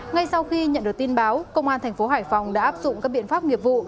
ngay sau khi nhận được tin báo công an thành phố hải phòng đã áp dụng các biện pháp nghiệp vụ